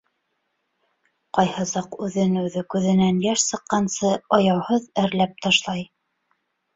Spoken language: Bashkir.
Ҡайһы саҡ үҙен-үҙе күҙенән йәш сыҡҡансы аяуһыҙ әрләп ташлай.